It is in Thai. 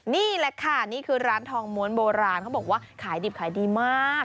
นี่แหละค่ะนี่คือร้านทองม้วนโบราณเขาบอกว่าขายดิบขายดีมาก